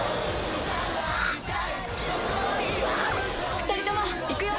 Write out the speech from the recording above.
２人ともいくよ！